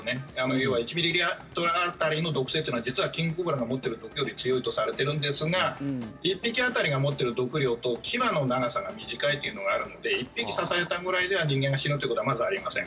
要は１ミリリットル当たりの毒性というのは実はキングコブラが持ってる毒より強いとされているんですが１匹当たりが持ってる毒量と牙の長さが短いというのがあるので１匹刺されたぐらいでは人間が死ぬということはまずあり得ません。